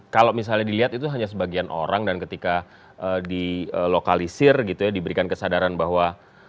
kalau misalnya dilihat itu hanya sebagian orang dan ketika dilokalisir gitu ya diberikan kesadaran bahwa